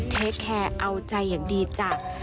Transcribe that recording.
เทคแคร์เอาใจอย่างดีจ้ะ